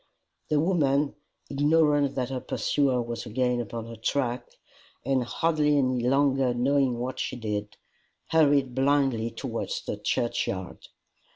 The woman, ignorant that her pursuer was again upon her track, and hardly any longer knowing what she did, hurried blindly towards the churchyard.